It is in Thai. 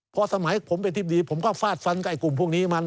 เพราะสมัยผมเป็นที่ดีผมก็ฝาดฟันต์กับไอ้กลุ่มพวกนี้มัน